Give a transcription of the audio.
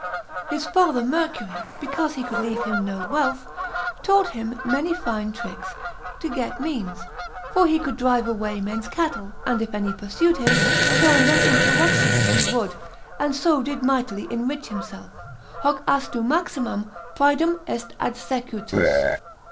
His father Mercury, because he could leave him no wealth, taught him many fine tricks to get means, for he could drive away men's cattle, and if any pursued him, turn them into what shapes he would, and so did mightily enrich himself, hoc astu maximam praedam est adsecutus.